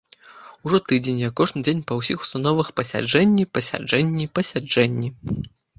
Ужо тыдзень, як кожны дзень па ўсіх установах пасяджэнні, пасяджэнні, пасяджэнні.